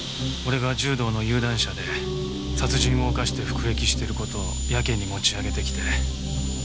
俺が柔道の有段者で殺人を犯して服役してる事をやけに持ち上げてきて。